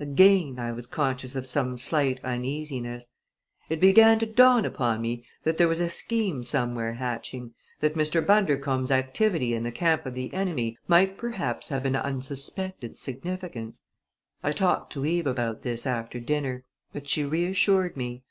Again I was conscious of some slight uneasiness. It began to dawn upon me that there was a scheme somewhere hatching; that Mr. Bundercombe's activity in the camp of the enemy might perhaps have an unsuspected significance. I talked to Eve about this after dinner; but she reassured me.